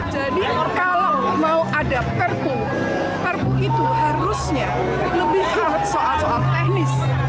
jadi kalau mau ada perbu perbu itu harusnya lebih hal soal soal teknis